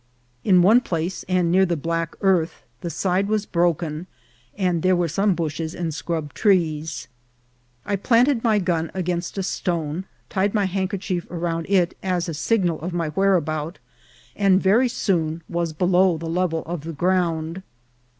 In one place, and near the black earth, the side was broken, and there were some bushes and scrub trees. I planted my gun against a stone, tied my handkerchief around it as a signal of my whereabout, and very soon was below the level of the ground.